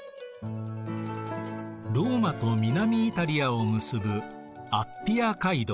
ローマと南イタリアを結ぶアッピア街道。